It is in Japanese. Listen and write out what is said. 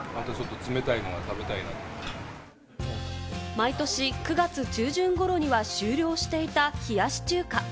毎年９月中旬頃には終了していた冷やし中華。